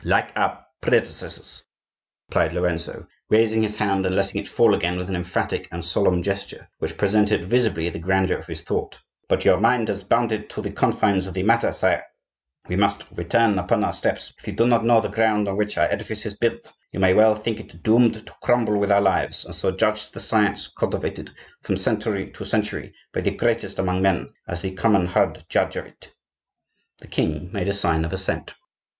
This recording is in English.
"Like our predecessors," replied Lorenzo, raising his hand and letting it fall again with an emphatic and solemn gesture, which presented visibly the grandeur of his thought. "But your mind has bounded to the confines of the matter, sire; we must return upon our steps. If you do not know the ground on which our edifice is built, you may well think it doomed to crumble with our lives, and so judge the Science cultivated from century to century by the greatest among men, as the common herd judge of it." The king made a sign of assent.